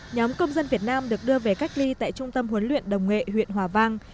nhóm công dân việt nam được đưa về cách ly tại trung tâm huấn luyện đồng nghệ huyện hòa vang